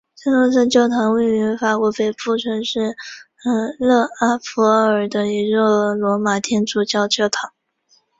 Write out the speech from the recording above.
圣若瑟教堂是位于法国北部城市勒阿弗尔的一座罗马天主教的教堂。